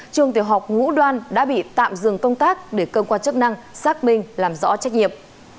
trường tiểu học ngũ đoan đã bị tạm dừng công tác để cơ quan chức năng xác minh làm rõ trách nhiệm